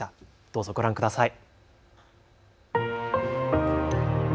どうぞご覧ください。